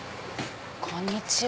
こんにちは。